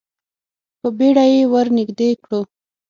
په بیړه یې ور نږدې کړو.